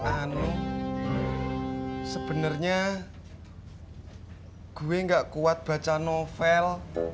ano sebenernya gue gak kuat baca novel